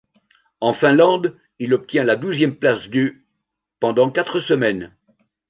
En Finlande, il obtient la douzième place du pendant quatre semaines.